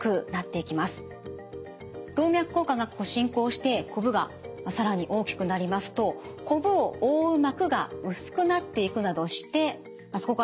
動脈硬化が進行してこぶが更に大きくなりますとこぶを覆う膜が薄くなっていくなどしてそこが破けやすくなってしまうんですね。